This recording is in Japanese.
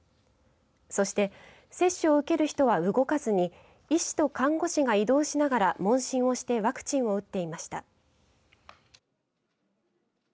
そして接種を受ける人は動かずに医師と看護師が移動しながら問診をしてワクチンを打っていました。